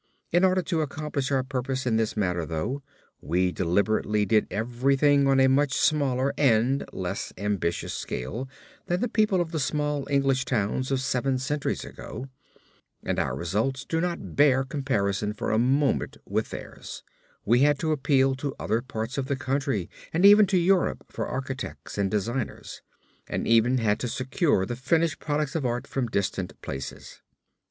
In order to accomplish our purpose in this matter, though, we deliberately did everything on a much smaller and less ambitious scale than the people of the small English towns of seven centuries ago, and our results do not bear comparison for a moment with theirs, we had to appeal to other parts of the country and even to Europe for architects and designers, and even had to secure the finished products of art from distant places.